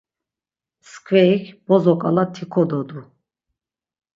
Mskverik bozoǩala ti kododu.